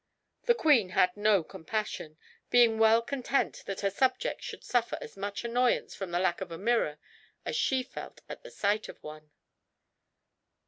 The queen had no compassion, being well content that her subjects should suffer as much annoyance from the lack of a mirror as she felt at the sight of one.